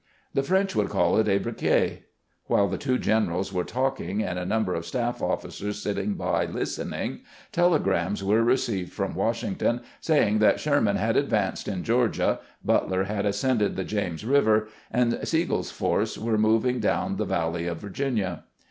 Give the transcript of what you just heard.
The French would call it a briquet. While the two generals were talking, and a number of staff officers sitting by listening, tele 46 CAMPAIGNING WITH GRANT grams were received from WasMugton saying tliat Sherman had advanced in Georgia, Butler had ascended the James Eiver, and Sigel's forces were moving down the valley of Virginia.